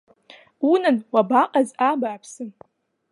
Унан, уабаҟаз абааԥсы.